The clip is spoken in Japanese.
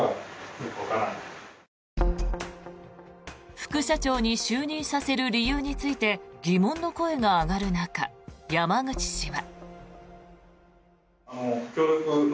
副社長に就任させる理由について疑問の声が上がる中山口氏は。